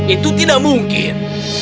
itu tidak mungkin